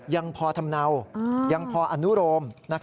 ยังพอทำเนายังพออนุโรม